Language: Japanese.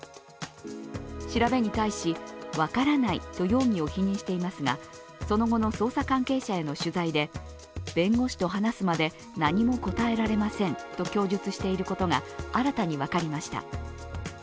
調べに対し、分からないと容疑を否認していますが、その後の捜査関係者への取材で弁護士と話すまで何も答えられませんと供述していることが新たに分かりました。